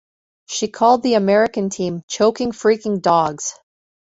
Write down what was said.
She called the American team "choking freaking dogs".